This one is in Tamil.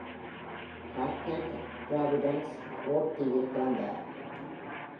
ஹாக்கெட், ப்ராவிடன்ஸ், ரோட் தீவில் பிறந்தார்.